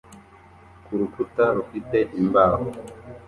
ku rukuta rufite imbaho